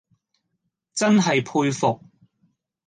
真系佩服